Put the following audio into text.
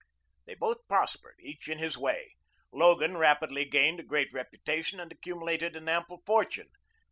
They both prospered, each in his way. Logan rapidly gained a great reputation and accumulated an ample fortune.